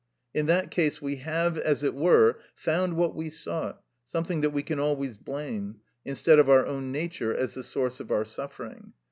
In that case we have, as it were, found what we sought, something that we can always blame, instead of our own nature, as the source of our suffering.